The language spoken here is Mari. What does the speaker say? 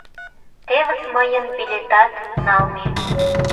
— Тевыс мыйын билетат налме.